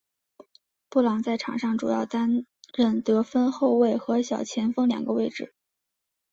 布朗在场上主要担任得分后卫和小前锋两个位置。